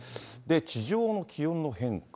地上の気温の変化。